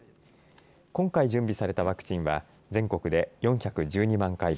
今回準備されたワクチンは全国で４１２万回分。